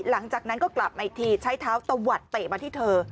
หลังจากนั้นก็กลับมาอีกทีใช้เท้าตะวัดเตะมาที่เธอ